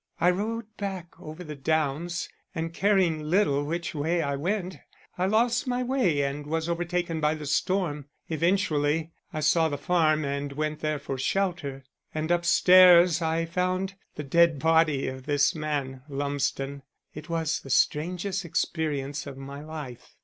"I rode back over the downs, and caring little which way I went I lost my way and was overtaken by the storm. Eventually I saw the farm and went there for shelter. And upstairs I found the dead body of this man Lumsden. It was the strangest experience of my life.